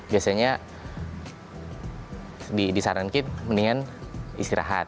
biasanya disarankan mendingan istirahat